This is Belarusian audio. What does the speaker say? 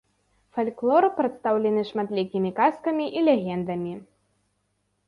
Фальклор прадстаўлены шматлікімі казкамі і легендамі.